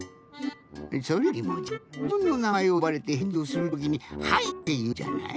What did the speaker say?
それよりもじゃじぶんのなまえをよばれてへんじをするときに「はい！」っていうじゃない。